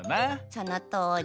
そのとおり。